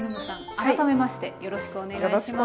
改めましてよろしくお願いします。